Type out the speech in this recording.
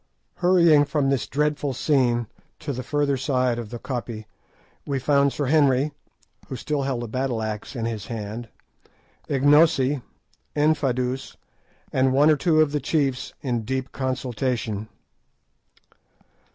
Hurrying from this dreadful scene to the further side of the koppie, we found Sir Henry, who still held a battle axe in his hand, Ignosi, Infadoos, and one or two of the chiefs in deep consultation.